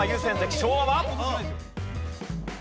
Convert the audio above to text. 昭和は？